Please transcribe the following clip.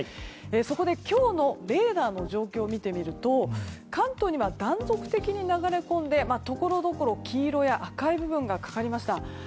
そこで今日のレーダーの状況を見てみると関東には断続的に流れ込んでところどころ黄色や赤い部分がかかりました。